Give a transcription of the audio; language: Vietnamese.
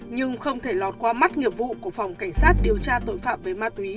nhưng không thể lọt qua mắt nghiệp vụ của phòng cảnh sát điều tra tội phạm về ma túy